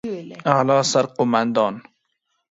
اعلى سرقومندان